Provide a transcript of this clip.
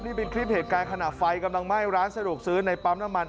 นี่เป็นคลิปเหตุการณ์ขณะไฟกำลังไหม้ร้านสะดวกซื้อในปั๊มน้ำมัน